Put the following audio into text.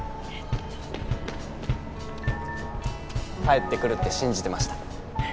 帰ってくるって信じてました。